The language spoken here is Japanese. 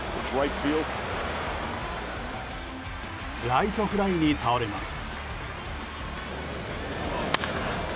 ライトフライに倒れます。